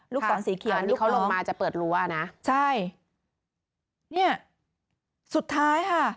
ลูกฟ้อนสีเขียวลูกน้องใช่นี่สุดท้ายค่ะ